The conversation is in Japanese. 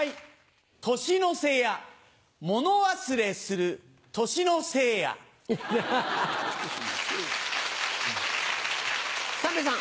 年の瀬や物忘れする年のせい三平さん。